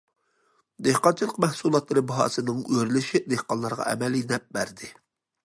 دېھقانچىلىق مەھسۇلاتلىرى باھاسىنىڭ ئۆرلىشى دېھقانلارغا ئەمەلىي نەپ بەردى.